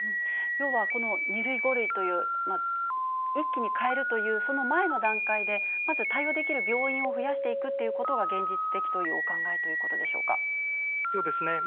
要は、この２類、５類という、一気に変えるというその前の段階で、まず対応できる病院を増やしていくっていうことが現実的というおそうですね。